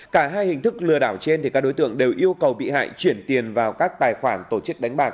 cả hai hình thức lừa đảo trên các đối tượng đều yêu cầu bị hại chuyển tiền vào các tài khoản tổ chức đánh bạc